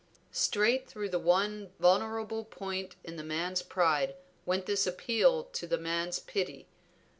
Straight through the one vulnerable point in the man's pride went this appeal to the man's pity.